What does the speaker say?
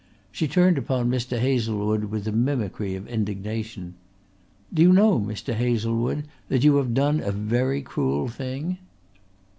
She turned upon Mr. Hazlewood with a mimicry of indignation. "Do you know, Mr. Hazlewood, that you have done a very cruel thing?"